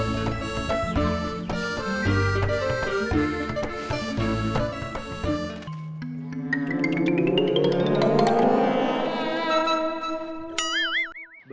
makasih ustad sepuh ya